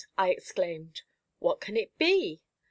I exclaimed; "what can it be?"